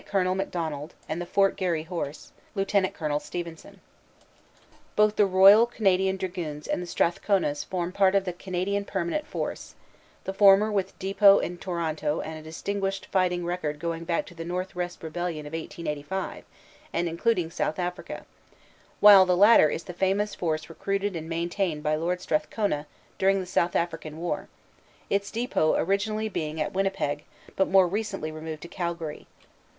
Col. MacDonald, and the Fort Garry Horse, Lt. Col. Stephenson. Both the R.C.D s and the Strathcona s form part of the Canadian permanent force, the former with depot in Toronto and a distinguished fighting record going back to the North West Rebellion of 1885 and including South Africa; while the latter is the famous force recruited and maintained by Lord Strathcona during the South African war, its depot originally being at Winnipeg but more recently removed to Calgary.